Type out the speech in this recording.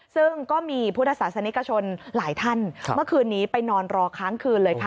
ซึ่งก็มีพุทธศาสนิกชนหลายท่านเมื่อคืนนี้ไปนอนรอค้างคืนเลยค่ะ